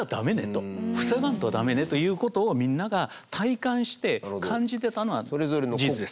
防がんと駄目ねということをみんなが体感して感じてたのは事実です。